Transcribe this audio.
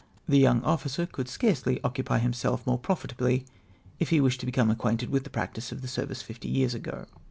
The young officer could scarcely occupy himself more profitably, if he wish to become acquainted with the practice of the service fifty years ago.